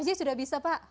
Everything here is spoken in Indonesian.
lima g sudah bisa pak